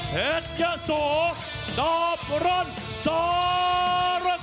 เผ็ดเยอะโสดับร้อนสาระท้า